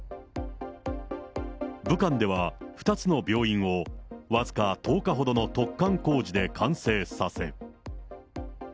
武漢では２つの病院を、僅か１０日ほどの突貫工事で完成させ。